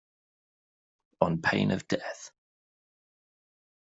On pain of death.